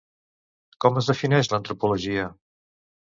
Com es defineix l'antropologia?